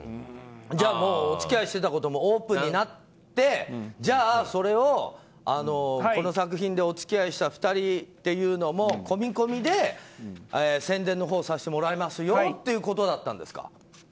じゃあお付き合いしてたこともオープンになってじゃあ、それを、この作品でお付き合いした２人というのも込み込みで、宣伝のほうをさせてもらいますよ